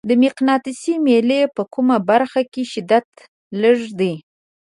د مقناطیسي میلې په کومه برخه کې شدت لږ دی؟